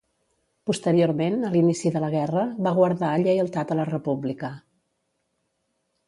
Posteriorment a l'inici de la guerra, va guardar lleialtat a la República.